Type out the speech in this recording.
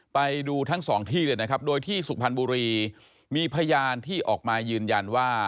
ไปดูทั้งสองที่เลยนะครับโดยที่สุพรรณบุรีมีพยานที่ออกมายืนยันว่า